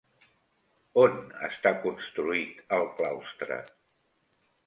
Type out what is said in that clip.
On està construït el claustre?